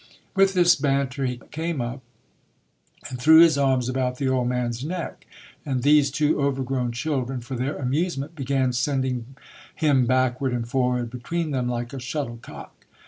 With this banter, he came up and threw his arms about the old man's neck : and these two overgrown children, for their amusement, began sending him backward and forward between them like a shuttlecock.